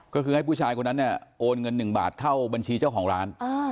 ก็คือให้ผู้ชายคนนั้นเนี่ยโอนเงิน๑บาทเข้าบัญชีเจ้าของร้าน